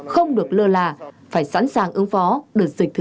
không được lơ là phải sẵn sàng ứng phó đợt dịch thứ hai